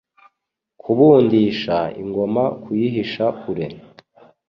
Kubundisha ingoma Kuyihisha kure